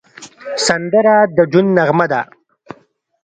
سندره د ژوند نغمه ده